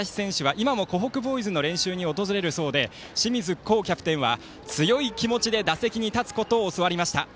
報徳の林選手は今も、湖北ボーイズの練習に訪れるそうで、キャプテンは強い気持ちで打席に立つことを教わりました。